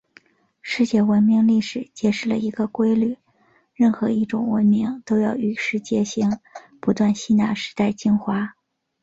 世界文明历史揭示了一个规律：任何一种文明都要与时偕行，不断吸纳时代精华。